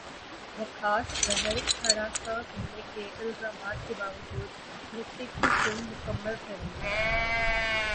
وکاس بہل ہراساں کرنے کے الزامات کے باوجود ہریتھک کی فلم مکمل کریں گے